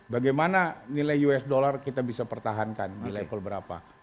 bagaimana nilai usd kita bisa pertahankan di level berapa